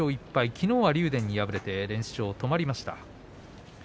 きのうは竜電に敗れて連勝が止まりました。